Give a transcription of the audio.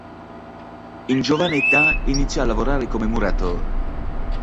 In giovane età iniziò a lavorare come muratore.